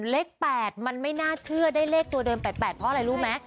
เลข๘มันไม่น่าเชื่อได้เลขตัวเดิม๘๘เพราะอะไรรู้ไหม